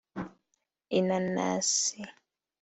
inanasi